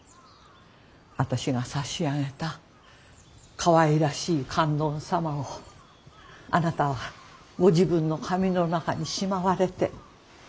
私が差し上げたかわいらしい観音様をあなたはご自分の髪の中にしまわれて。